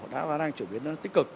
đã đang chuyển biến tích cực